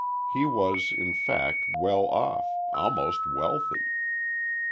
He was, in fact, well off almost wealthy.